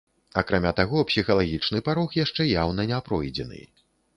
Акрамя таго, псіхалагічны парог яшчэ яўна не пройдзены.